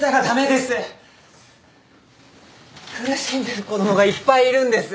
苦しんでる子供がいっぱいいるんです！